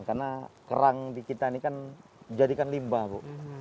karena kerang di kita ini kan jadikan limbah bu